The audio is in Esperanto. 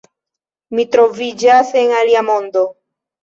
Mi troviĝas en alia mondo.